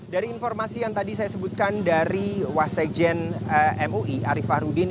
dari informasi yang tadi saya sebutkan dari wasajen mui ariefa rudin